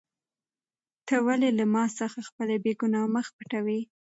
ته ولې له ما څخه خپل بېګناه مخ پټوې؟